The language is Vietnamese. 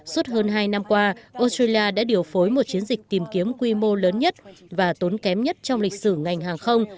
suốt hơn hai năm qua australia đã điều phối một chiến dịch tìm kiếm quy mô lớn nhất và tốn kém nhất trong lịch sử ngành hàng không